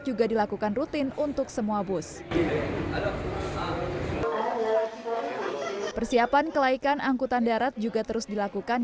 juga dilakukan rutin untuk semua bus persiapan kelaikan angkutan darat juga terus dilakukan